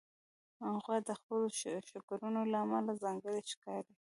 غوا د خپلو ښکرونو له امله ځانګړې ښکاري.